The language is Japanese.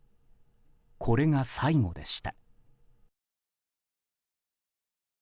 これが最後でした。